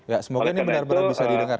ya semoga ini benar benar bisa didengar